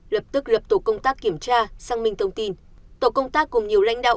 lập tức lập tổ công tác kiểm tra xăng minh thông tin tổ công tác cùng nhiều lãnh đạo